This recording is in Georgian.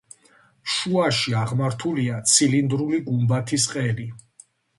შუაში აღმართულია ცილინდრული გუმბათის ყელი.